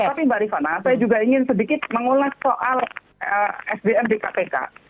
tapi mbak rifana saya juga ingin sedikit mengulas soal sdm di kpk